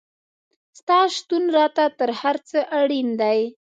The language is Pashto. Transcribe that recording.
ستا شتون راته تر هر څه اړین دی